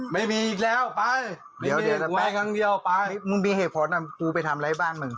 ไม่มีอีกแล้วไปเดี๋ยวไปครั้งเดียวไปมึงมีเหตุผลอ่ะกูไปทำอะไรบ้านมึง